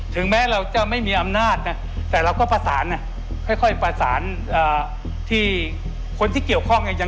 ถึงแม้เราจะไม่มีอำนาจนะแต่เราก็ประสานค่อยประสานที่คนที่เกี่ยวข้องเนี่ย